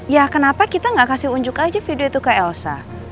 ya kenapa kita gak kasih unjuk aja video itu ke elsa